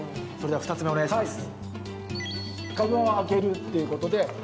では３つ目お願いします。